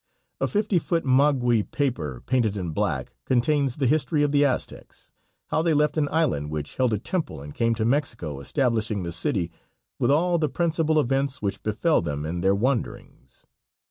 A fifty foot maguey paper painted in black, contains the history of the Aztecs. How they left an island which held a temple and came to Mexico, establishing the city, with all the principal events which befell them in their wanderings.